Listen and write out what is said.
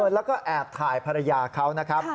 แล้วก็แอบถ่ายภรรยาเขานะครับ